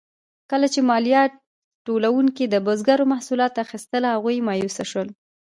کله چې مالیات ټولونکو د بزګرو محصولات اخیستل، هغوی مایوسه شول.